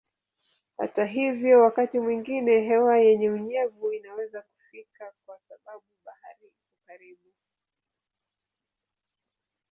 Hata hivyo wakati mwingine hewa yenye unyevu inaweza kufika kwa sababu bahari iko karibu.